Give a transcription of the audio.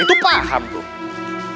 itu paham dong